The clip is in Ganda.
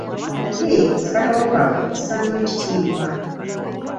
Naye okusalawo kwabwe nkussaamu ekitiibwa.